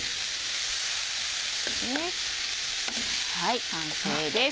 はい完成です。